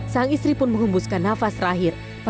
sang istri pun menghumbuskan nafas rambutnya